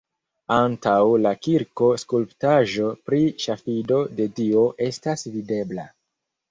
Antaŭ la kirko skulptaĵo pri ŝafido de Dio estas videbla.